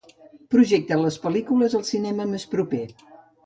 projecta les pel·lícules al cinema més proper